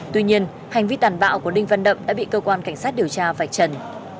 tuy nhiên hành vi tàn bạo của đinh văn đậm đã bị cơ quan cảnh sát điều tra vạch trần